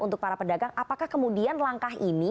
untuk para pedagang apakah kemudian langkah ini